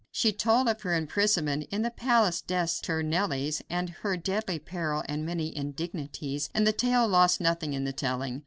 She told of her imprisonment in the palace des Tournelles, and of her deadly peril and many indignities, and the tale lost nothing in the telling.